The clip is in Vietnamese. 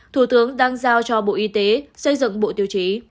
thủ tướng đang giao cho bộ y tế xây dựng bộ tiêu chí